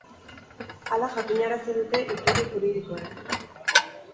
Hala jakinarazi dute iturri juridikoek.